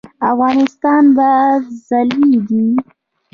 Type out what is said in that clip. افغانستان به ځلیږي